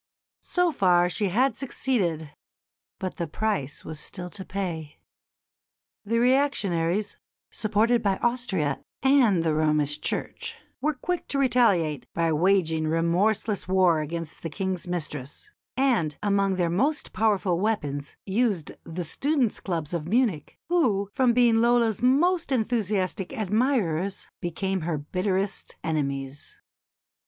So far she had succeeded, but the price was still to pay. The reactionaries, supported by Austria and the Romish Church, were quick to retaliate by waging remorseless war against the King's mistress; and, among their most powerful weapons, used the students' clubs of Munich, who, from being Lola's most enthusiastic admirers, became her bitterest enemies.